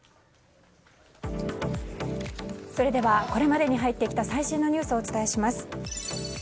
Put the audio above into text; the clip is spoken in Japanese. それでは、これまでに入ってきた最新のニュースをお伝えします。